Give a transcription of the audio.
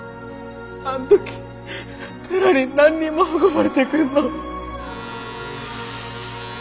あん時寺に何人も運ばれてくんの。